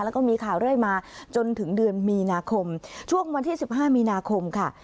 แล้วก็มีข่าวเรื่อยมาจนถึงเดือนมีนาคมช่วงวันที่๑๕มีนาคมค่ะ